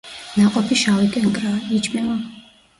ნაყოფი შავი კენკრაა, იჭმევა.